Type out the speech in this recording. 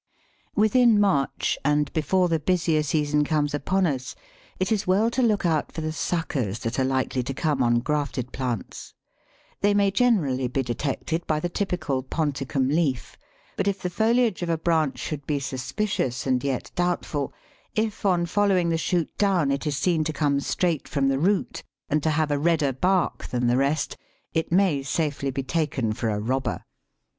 Within March, and before the busier season comes upon us, it is well to look out for the suckers that are likely to come on grafted plants. They may generally be detected by the typical ponticum leaf, but if the foliage of a branch should be suspicious and yet doubtful, if on following the shoot down it is seen to come straight from the root and to have a redder bark than the rest, it may safely be taken for a robber.